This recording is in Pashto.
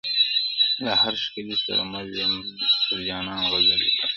له هر ښکلي سره مل یم، پر جانان غزل لیکمه!٫.